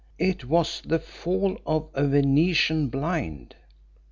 It was the fall of a Venetian blind.